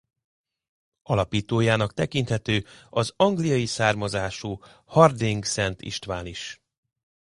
Alapítójának tekinthető az angliai származású Harding Szent István is.